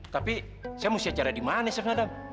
tapi saya mau siacara di mana sis madam